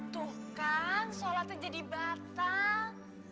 tuh kan sholatnya jadi batal